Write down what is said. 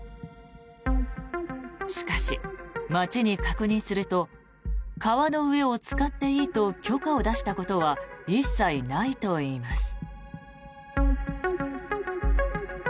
しかし、町に確認すると川の上を使っていいと許可を出したことは一切ないといいます。